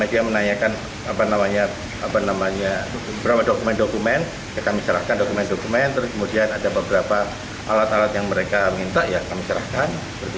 dia menanyakan beberapa dokumen dokumen kami serahkan dokumen dokumen terus kemudian ada beberapa alat alat yang mereka minta ya kami serahkan